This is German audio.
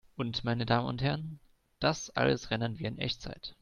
Und, meine Damen und Herren, das alles rendern wir in Echtzeit!